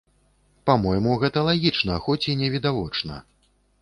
Па-мойму, гэта лагічна, хоць і не відавочна.